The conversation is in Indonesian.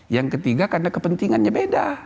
yang ketiga karena kepentingannya beda